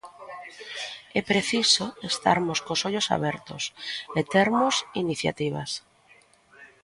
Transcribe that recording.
É preciso estarmos cos ollos abertos e termos iniciativas.